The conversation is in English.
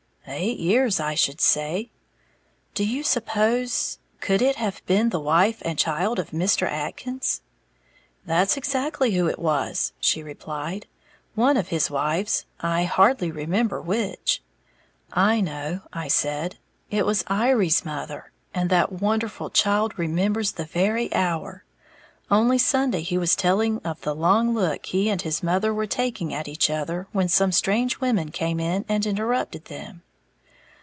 "Eight years, I should say." "Do you suppose could it have been, the wife and child of Mr. Atkins?" "That's exactly who it was," she replied, "one of his wives, I hardly remember which." "I know," I said; "it was Iry's mother. And that wonderful child remembers the very hour! Only Sunday he was telling of the long look he and his mother were taking at each other when some strange women came in and interrupted them."